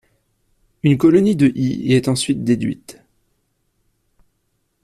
Une colonie de y est ensuite déduite.